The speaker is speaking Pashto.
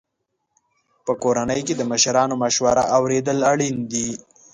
په کورنۍ کې د مشرانو مشوره اورېدل اړین دي.